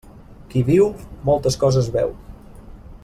Qui viu, moltes coses veu.